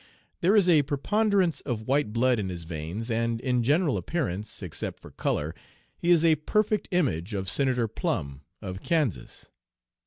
There is a preponderance of white blood in his veins, and in general appearance, except for color, he is a perfect image of Senator Plumb of Kansas.